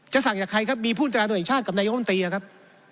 จะสั่งจากใครครับมีผู้ชาติกับนายโมนตรีครับ